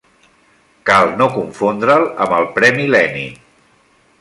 Cal no confondre'l amb el Premi Lenin.